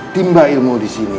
timba ilmu disini